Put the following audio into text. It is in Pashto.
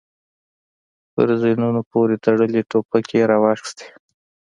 پر زينونو پورې تړلې ټوپکې يې را واخيستې.